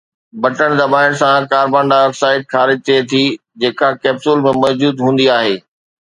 بٽڻ دٻائڻ سان ڪاربان ڊاءِ آڪسائيڊ خارج ٿئي ٿي، جيڪا ڪيپسول ۾ موجود هوندي آهي.